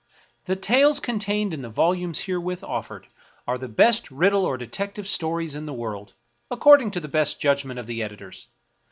The tales contained in the volumes herewith offered are the best riddle or detective stories in the world, according to the best judgment of the editors.